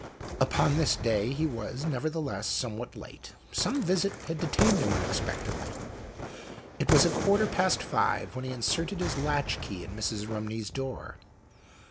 Upon this day he was, nevertheless, some what late, some visit had detained him unex pectedly, and it was a quarter past five when he inserted his latch key in Mrs. Rumney's door.